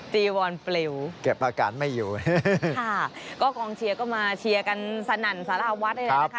วอนปลิวเก็บอาการไม่อยู่ค่ะก็กองเชียร์ก็มาเชียร์กันสนั่นสาราวัดเลยนะคะ